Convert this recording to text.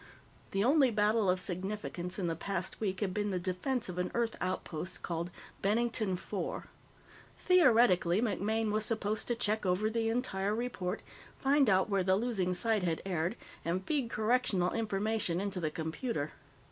The only battle of significance in the past week had been the defense of an Earth outpost called Bennington IV. Theoretically, MacMaine was supposed to check over the entire report, find out where the losing side had erred, and feed correctional information into the Computer.